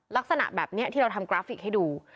ลักษณะแบบนี้ที่เราทำกราฟิกให้ดู